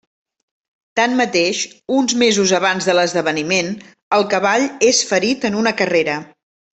Tanmateix, uns mesos abans de l'esdeveniment, el cavall és ferit en una carrera.